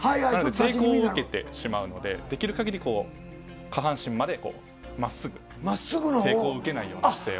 抵抗を受けてしまうので、できるかぎり下半身までまっすぐ、抵抗を受けないような姿勢を。